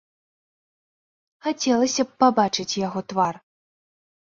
Хацелася б пабачыць яго твар.